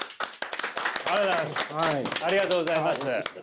ありがとうございます。